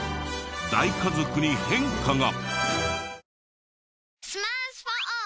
大家族に変化が。